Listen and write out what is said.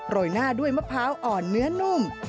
ยหน้าด้วยมะพร้าวอ่อนเนื้อนุ่ม